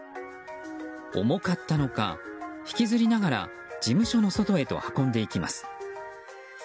重かったのか引きずりながら事務所の外へと運んでいきます。